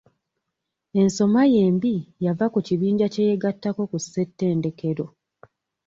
Ensoma ye embi yava ku kibiinja kye yeegattako ku ssettendekero.